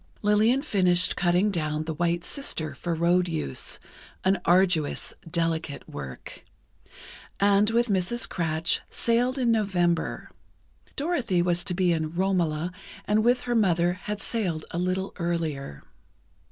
Lillian finished cutting down "The White Sister," for road use, an arduous, delicate work, and with Mrs. Kratsch, sailed in November. Dorothy was to be in "Romola," and with her mother had sailed a little earlier.